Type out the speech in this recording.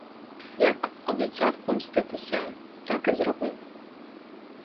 Як обіцяв помститися, так і зробив.